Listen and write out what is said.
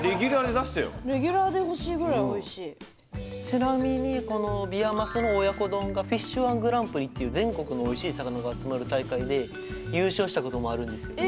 ちなみにこのビワマスの親子丼が「Ｆｉｓｈ−１グランプリ」っていう全国のおいしい魚が集まる大会で優勝したこともあるんですよ。